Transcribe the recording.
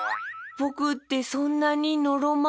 ぼくってそんなにのろま？